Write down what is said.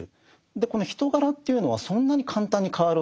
この人柄というのはそんなに簡単に変わるわけではない。